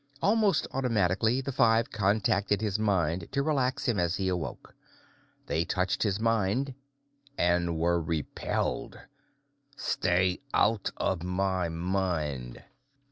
Almost automatically, the five contacted his mind to relax him as he awoke. They touched his mind and were repelled! _Stay out of my mind!